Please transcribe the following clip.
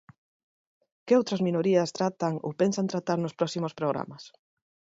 Que outras minorías tratan ou pensan tratar nos próximos programas?